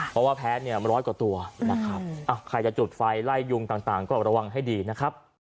เพราะว่าแพ้เนี่ยร้อยกว่าตัวนะครับใครจะจุดไฟไล่ยุงต่างก็ระวังให้ดีนะครับ